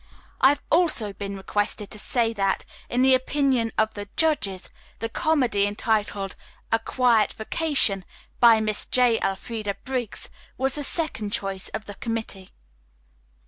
I have also been requested to say that, in the opinion of the judges, the comedy entitled 'A Quiet Vacation,' by Miss J. Elfreda Briggs, was the second choice of the committee."